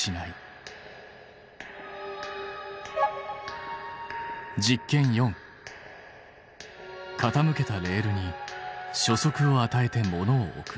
傾けたレールに初速をあたえて物を置く。